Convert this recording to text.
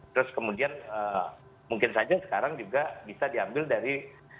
terus kemudian mungkin saja sekarang juga bisa diambil dari